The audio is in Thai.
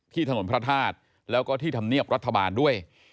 ถนนพระธาตุแล้วก็ที่ธรรมเนียบรัฐบาลด้วย